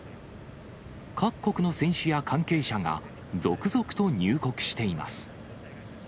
各国の選手や関係者が、続々と入国しています。